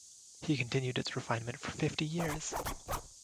He continued its refinement for fifty years.